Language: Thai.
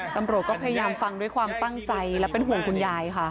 ตำรวจก็พยายามฟังด้วยความตั้งใจและเป็นห่วงคุณยายค่ะ